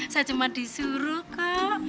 saya cuma disuruh kok